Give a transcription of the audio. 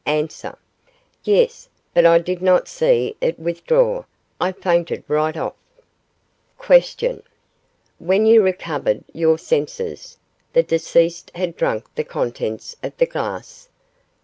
A. Yes; but I did not see it withdraw. I fainted right off. Q. When you recovered your senses, the deceased had drank the contents of the glass?